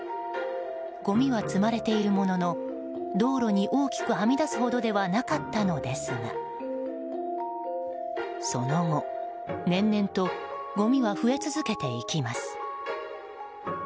ごみは積まれているものの道路に大きくはみ出すほどではなかったのですがその後、年々とごみは増え続けていきます。